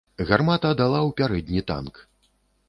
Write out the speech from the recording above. Гармата дала ў пярэдні танк.